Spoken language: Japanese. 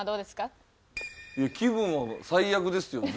いや気分は最悪ですよ。